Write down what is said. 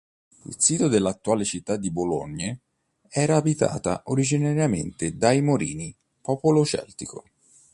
Il sito dell'attuale città di Boulogne era abitata originariamente dai Morini, popolo celtico.